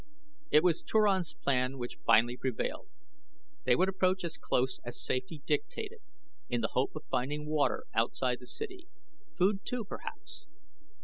It was Turan's plan which finally prevailed. They would approach as close as safety dictated in the hope of finding water outside the city; food, too, perhaps.